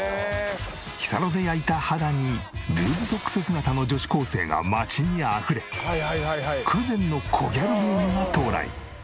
日サロで焼いた肌にルーズソックス姿の女子高生が街にあふれ空前のコギャルブームが到来。